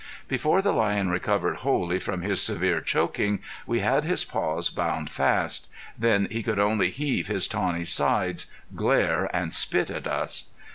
Before the lion recovered wholly from his severe choking, we had his paws bound fast. Then he could only heave his tawny sides, glare and spit at us.